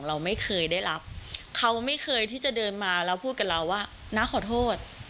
เราไม่เคยได้รับเขาไม่เคยที่จะเดินมาแล้วพูดกับเราว่าน้าขอโทษ